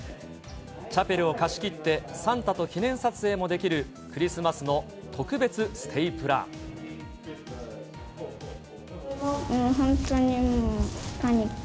チャペルを貸し切って、サンタと記念撮影もできる、本当にもうパニック。